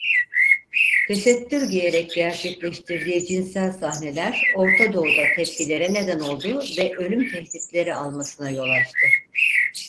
Tesettür giyerek gerçekleştirdiği cinsel sahneler Orta Doğu'da tepkilere neden oldu ve ölüm tehditleri almasına yol açtı.